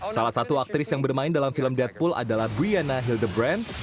salah satu aktris yang bermain dalam film deadpool adalah brianna hildebrandt